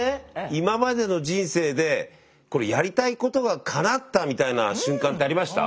今までの人生でやりたいことが叶ったみたいな瞬間ってありました？